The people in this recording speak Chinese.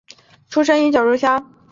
出生于九如乡。